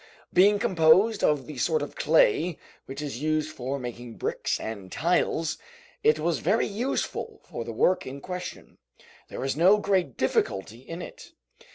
Being composed of the sort of clay which is used for making bricks and tiles, it was very useful for the work in question. There was no great difficulty in it.